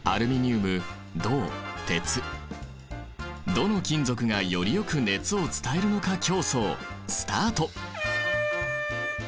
どの金属がよりよく熱を伝えるのか競争スタート！